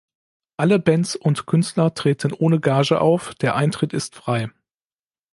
Alle Bands und Künstler treten ohne Gage auf, der Eintritt ist frei.